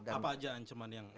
apa aja ancaman yang